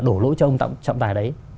đổ lỗi cho ông trọng tài đấy